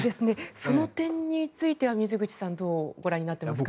その点については水口さんはどうご覧になっていますか？